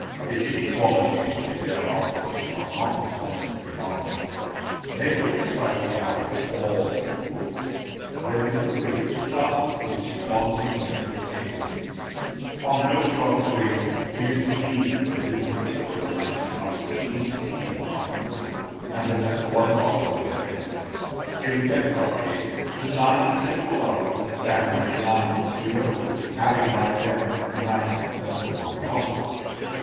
The inequalities in their arches are not less remarkable: they at first strike the eye as all equal; but there is a grace about them which equality never obtained: on closer observation, it is perceived that in the first row of nineteen arches, eighteen are equal, and the central one larger than the rest; in the second arcade, the nine central arches stand over the nine below, having, like them, the ninth central one largest.